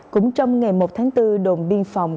cũng trong ngày một tháng bốn đồn biên phòng